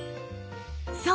そう！